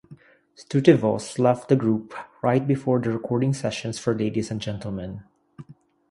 Stutevoss left the group right before the recording sessions for Ladies and Gentlemen.